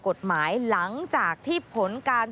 กฎหมายหลังจากที่ผลการ